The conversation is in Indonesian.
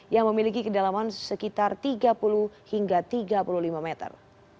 yang memiliki kedalaman sekitar tiga puluh hingga tiga puluh lima meter